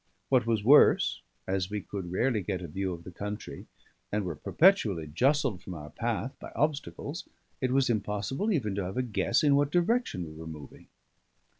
What was worse, as we could rarely get a view of the country, and were perpetually justled from our path by obstacles, it was impossible even to have a guess in what direction we were moving.